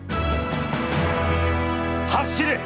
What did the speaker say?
走れ！